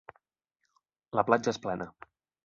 La platja és plena.